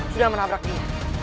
sudah menabrak dia